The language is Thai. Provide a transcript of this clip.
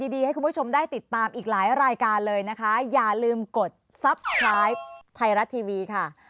ทีนี้ลาไปก่อนสวัสดีค่ะ